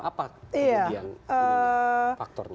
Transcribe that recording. apa kemudian faktornya